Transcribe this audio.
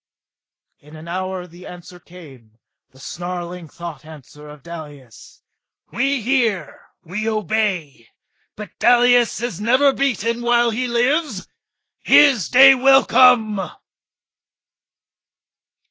In an hour the answer came, the snarling thought answer of Dalis. "We hear! We obey! But Dalis is never beaten while he lives! His day will come!"